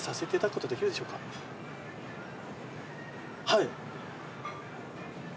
はい。